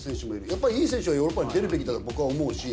やっぱいい選手はヨーロッパに出るべきだと僕は思うし。